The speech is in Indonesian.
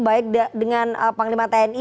baik dengan panglima tni